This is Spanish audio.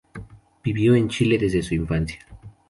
Vivió en Chile desde su infancia.